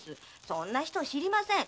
そんな人知りません。